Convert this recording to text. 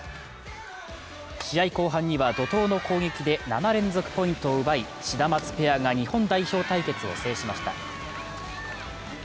試合後半には怒とうの攻撃で７連続ポイントを奪い、シダマツペアが日本代表対決を制しました。